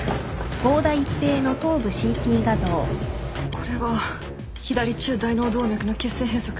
これは左中大脳動脈の血栓閉塞